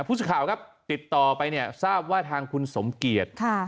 พูดสุดข่าวครับติดต่อไปทราบว่าทางคุณสมเกียรติ